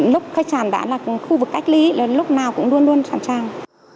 lúc khách sạn đã là khu vực cách ly lúc nào cũng luôn luôn sẵn sàng